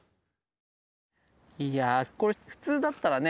いやこれ普通だったらね